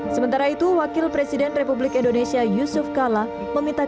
sementara itu wakil presiden republik indonesia yusuf kala meminta